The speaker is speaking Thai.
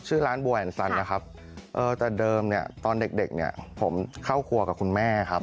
ข้างบัวแห่งสันยินดีต้อนรับสำหรับทุกท่านนะครับ